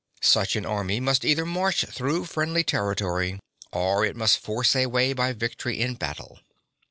Such an army must either march through friendly territory or it must force a way by victory in battle.